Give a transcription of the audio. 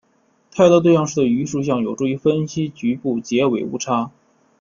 泰勒多项式的余数项有助于分析局部截尾误差。